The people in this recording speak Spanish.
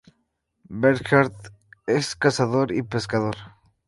Bernhardt es cazador y pescador.